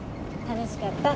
楽しかった。